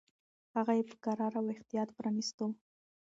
هغه یې په کراره او احتیاط پرانیستو.